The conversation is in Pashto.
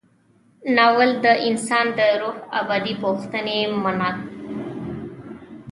ناول د انسان د روح ابدي پوښتنې منعکسوي.